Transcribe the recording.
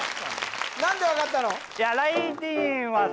何で分かったの？